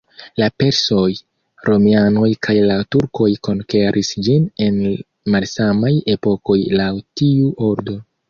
La persoj, romianoj kaj la turkoj konkeris ĝin en malsamaj epokoj laŭ tiu ordo.